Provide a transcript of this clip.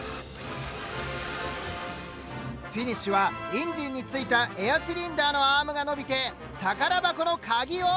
フィニッシュは「インディン」についたエアシリンダーのアームが伸びて宝箱の鍵をキャッチ！